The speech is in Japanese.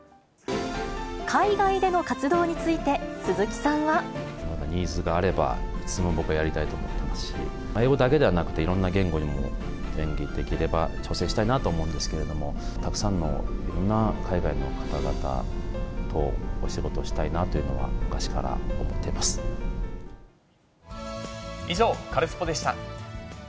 海外での活動について、ニーズがあれば、いつでも僕はやりたいと思ってますし、英語だけではなくて、いろんな言語にも、演技できれば挑戦したいなと思うんですけれども、たくさんのいろんな海外の方々とお仕事をしたいなというのは、以上、カルスポっ！でした。